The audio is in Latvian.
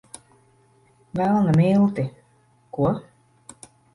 Velna milti! Ko?